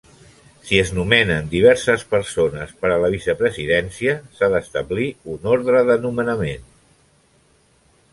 Si es nomenen diverses persones per a la vicepresidència, s’ha d’establir un ordre de nomenament.